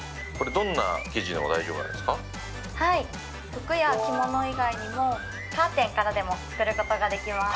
服や着物以外にもカーテンからでも作ることができます。